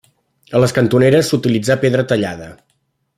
A les cantoneres s'utilitzà pedra tallada.